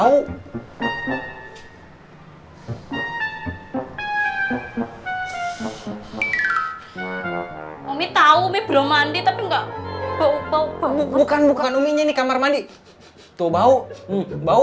umi tahu mebrom andi tapi enggak bau bau bukan bukan umi ini kamar mandi tuh bau bau